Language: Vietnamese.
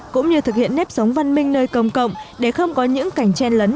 cũng như thực hiện nếp sống văn minh nơi công cộng để không có những cảnh chen lấn